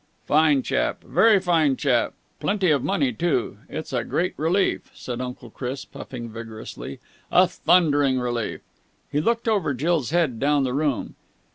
"Fine chap. Very fine chap. Plenty of money, too. It's a great relief," said Uncle Chris, puffing vigorously. "A thundering relief." He looked over Jill's head down the room.